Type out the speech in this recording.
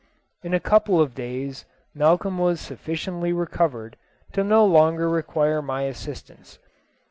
In a couple of days Malcolm was sufficiently recovered no longer to require my assistance.